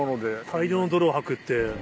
大量の泥を吐くって。